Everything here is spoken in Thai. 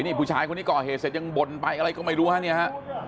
นี่ผู้ชายคนนี้ก่อเหตุเสร็จยังบ่นไปอะไรก็ไม่รู้ฮะเนี่ยฮะ